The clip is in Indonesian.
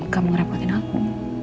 kamu ngerepotin aku